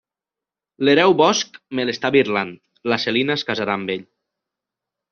L'hereu Bosch me l'està birlant: la Celina es casarà amb ell.